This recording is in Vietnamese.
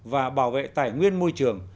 và bảo vệ tài nguyên môi trường